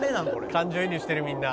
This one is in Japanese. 「感情移入してるみんな」